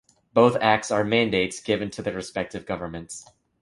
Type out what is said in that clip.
Both acts are mandates given to their respective governments.